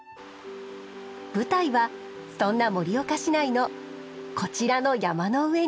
舞台はそんな盛岡市内のこちらの山の上に。